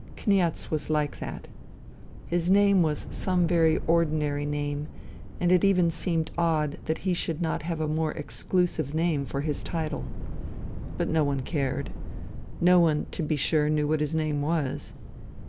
" Kniaz '* was like that. His name was some very ordinary name, and it even seemed odd that he should not have a more exclusive name for his title. But no one cared. No one, to be sure, knew what his name was.